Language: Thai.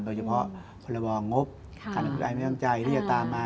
โดยเฉพาะภรรบองบค้านักธุรกิจริงตั้งใจที่อยากตามมา